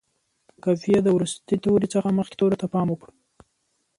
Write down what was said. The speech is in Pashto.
د قافیې د وروستي توري څخه مخکې تورو ته پام وکړو.